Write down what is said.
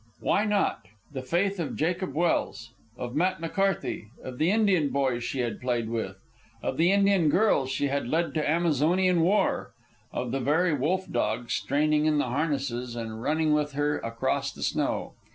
Why not? The faith of Jacob Welse? Of Matt McCarthy? Of the Indian boys she had played with? Of the Indian girls she had led to Amazonian war? Of the very wolf dogs straining in the harnesses and running with her across the snow?